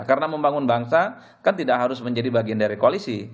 karena membangun bangsa kan tidak harus menjadi bagian dari koalisi